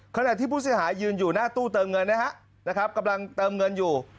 ขณะที่ผู้เสียหายยืนอยู่หน้าตู้เติมเงินนะฮะกำลังเติมเงินอยู่